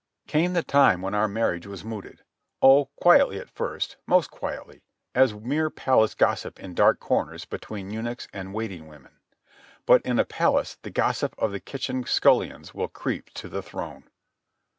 Came the time when our marriage was mooted—oh, quietly, at first, most quietly, as mere palace gossip in dark corners between eunuchs and waiting women. But in a palace the gossip of the kitchen scullions will creep to the throne.